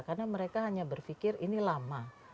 karena mereka hanya berpikir ini lama